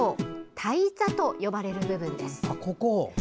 胎座と呼ばれる部分です。